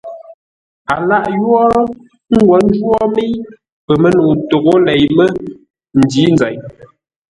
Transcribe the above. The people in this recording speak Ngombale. A lâʼ yórə́, ə́ ngwo ńjwó mə́i pəmə́nəu ntoghʼə́ lei mə́, ndǐ nzeʼ.